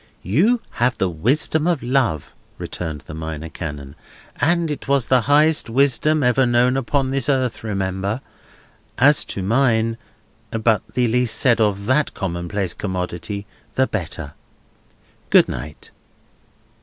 "You have the wisdom of Love," returned the Minor Canon, "and it was the highest wisdom ever known upon this earth, remember. As to mine—but the less said of that commonplace commodity the better. Good night!"